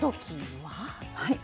はい。